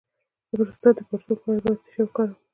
د پروستات د پړسوب لپاره باید څه شی وکاروم؟